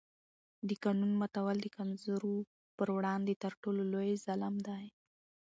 د قانون ماتول د کمزورو پر وړاندې تر ټولو لوی ظلم دی